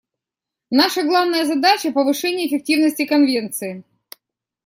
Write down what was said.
Наша главная задача — повышение эффективности Конвенции.